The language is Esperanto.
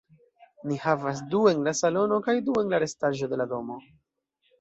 Ni havas du en la salono kaj du en la restaĵo de la domo.